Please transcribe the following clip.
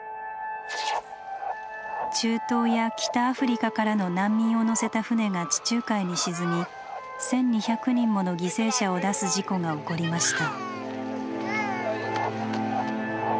中東や北アフリカからの難民を乗せた船が地中海に沈み１，２００人もの犠牲者を出す事故が起こりました。